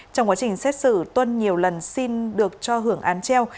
trong quá trình xét xử tuân nhiều lần xin được cho hưởng án treo